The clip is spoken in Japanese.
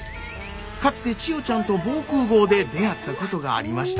かつて千代ちゃんと防空壕で出会ったことがありました。